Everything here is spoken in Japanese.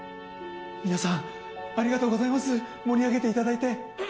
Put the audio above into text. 皆さんありがとうございます盛り上げて頂いて。